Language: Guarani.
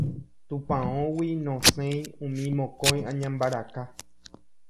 Tupãógui noséi umi mokõi añambaraka.